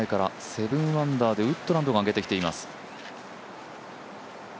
７アンダーでウッドランドが上げてきています。